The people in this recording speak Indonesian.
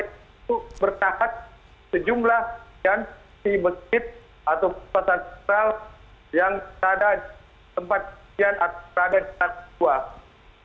kondisi itu bertahan sejumlah yang di bekit atau kota tastral yang tak ada tempat kemudian atau tak ada tempat kemudian